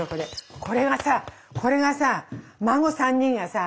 これがさこれがさ孫３人がさ